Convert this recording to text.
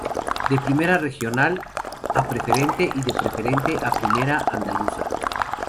De Primera Regional a Preferente y de Preferente a Primera Andaluza.